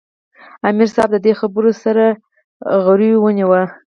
" امیر صېب د دې خبرو سره غرېو ونیوۀ ـ